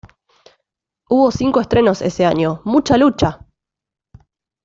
Hubo cinco estrenos ese año: "¡Mucha lucha!